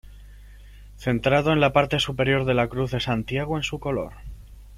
Centrado en la parte superior la Cruz de Santiago en su color.